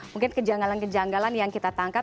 mungkin kejanggalan kejanggalan yang kita tangkap